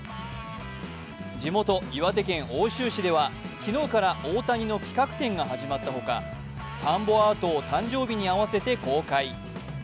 地元、岩手県奥州市では昨日から大谷の企画展が始まったほか田んぼアートを誕生日に合わせて公開。